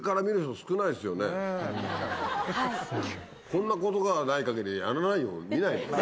こんなことがない限りやらない見ないよね。